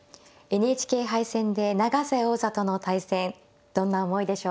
ＮＨＫ杯戦で永瀬王座との対戦どんな思いでしょうか。